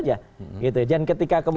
dan ketika kemudian diikut